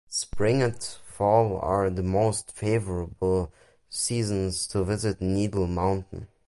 Spring and fall are the most favorable seasons to visit Needle Mountain.